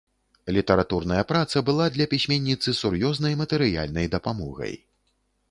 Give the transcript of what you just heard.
Літаратурная праца была для пісьменніцы сур'ёзнай матэрыяльнай дапамогай.